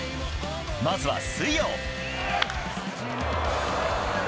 まずは水曜。